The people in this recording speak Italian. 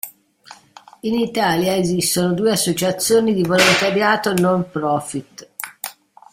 In Italia esistono due associazioni di Volontariato Non Profit.